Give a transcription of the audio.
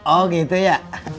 oh gitu ya